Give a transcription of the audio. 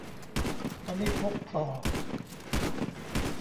วณิพกต่อ